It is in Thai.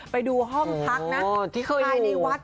ไปดูห้องพักที่เคยอยู่